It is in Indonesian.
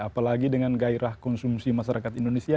apalagi dengan gairah konsumsi masyarakat indonesia